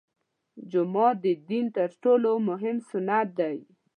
جومات د دین تر ټولو مهم بنسټ دی.